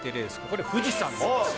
これ、富士山です。